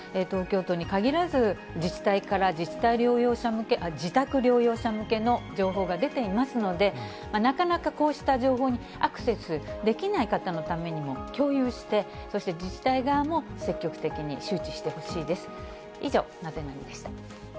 東京都に限らず、自治体から自宅療養者向けの情報が出ていますので、なかなかこうした情報にアクセスできない方のためにも、共有して、そして自治体側も積極的に周知してほしいです。